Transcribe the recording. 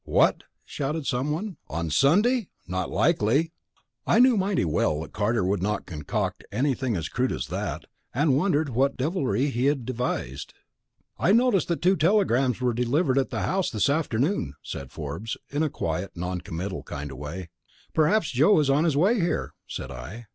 "What!" shouted someone. "On Sunday? Not likely!" I knew mighty well that Carter would not concoct anything as crude as that, and wondered what deviltry he had devised. "I noticed that two telegrams were delivered at the house this afternoon," said Forbes, in a quiet, non committal kind of way. "Perhaps Joe is on his way here," said I.